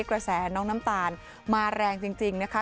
กระแสน้องน้ำตาลมาแรงจริงนะคะ